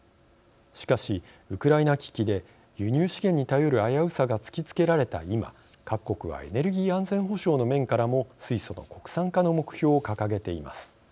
しかしウクライナ危機で輸入資源に頼る危うさが突きつけられた今各国はエネルギー安全保障の面からも水素の国産化の目標を掲げています。